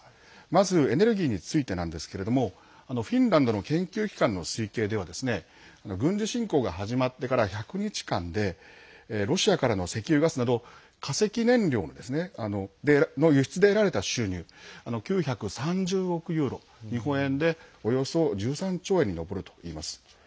まずエネルギーについてなんですけれどもフィンランドの研究機関の推計では軍事侵攻が始まってから１００日間でロシアからの石油ガスなど化石燃料の輸出で得られた収入９３０億ユーロ日本円でおよそ１３兆円に上るといいます。